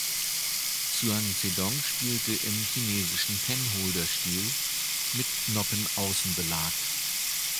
Zhuang Zedong spielte im chinesischen Penholder-Stil mit Noppen-außen-Belag.